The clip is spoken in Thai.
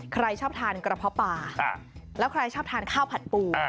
ใครชอบทานกระเพาะปลาแล้วใครชอบทานข้าวผัดปู